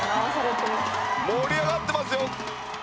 盛り上がってますよ